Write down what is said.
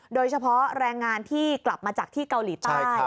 โดยเฉพาะแรงงานที่กลับมาจากที่เกาหลีใต้